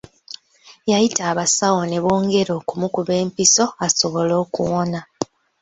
Yayita abasawo ne bongera okumukuba empiso asobole okuwona.